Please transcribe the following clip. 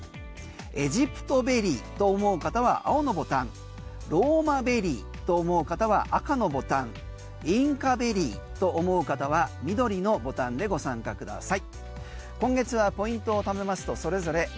エジプトベリーと思う方は青のボタンローマベリーと思う方は赤のボタンインカベリーと思う方は緑のボタンでご参加ください。